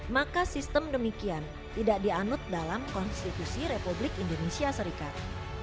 maka sistem demikian tidak dianut dalam konstitusi republik indonesia serikat